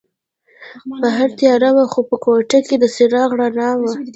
بهر تیاره وه خو په کوټه کې د څراغ رڼا وه.